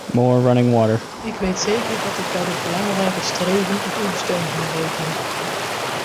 Ik weet zeker dat ik bij dit belangrijke streven op uw steun kan rekenen.